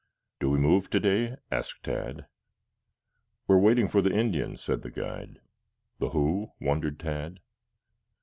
"Do we move today?" asked Tad. "We are waiting for the Indian," said the guide. "The who?" wondered Tad.